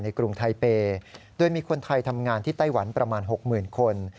กรุงไทเปย์โดยมีคนไทยทำงานที่ไต้หวันประมาณ๖๐๐๐คน